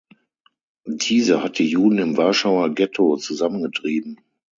Diese hat die Juden im Warschauer Getto zusammengetrieben.